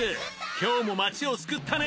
今日も町を救ったね！